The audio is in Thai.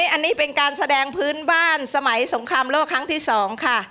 อันนี้เป็นการแสดงพื้นบ้านสมัยสงครามโลกครั้งที่๒ค่ะ